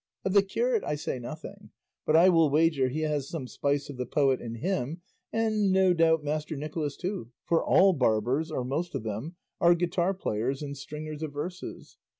Of the curate I say nothing; but I will wager he has some spice of the poet in him, and no doubt Master Nicholas too, for all barbers, or most of them, are guitar players and stringers of verses.